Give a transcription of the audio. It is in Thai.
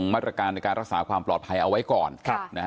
มาตรการในการรักษาความปลอดภัยเอาไว้ก่อน